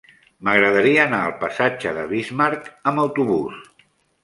M'agradaria anar al passatge de Bismarck amb autobús.